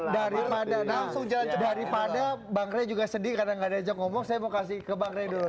daripada langsung jalan cepat daripada bang rey juga sedih karena gak diajak ngomong saya mau kasih ke bang ray dulu